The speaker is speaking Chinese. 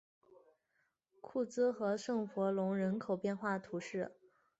库兹和圣弗龙人口变化图示